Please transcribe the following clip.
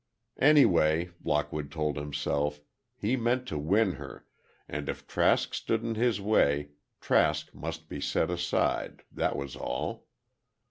Anyway, Lockwood told himself, he meant to win her, and if Trask stood in his way, Trask must be set aside, that was all.